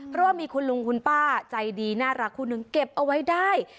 เพราะว่ามีคุณลุงคุณป้าใจดีน่ารักคู่หนึ่งเก็บเอาไว้ได้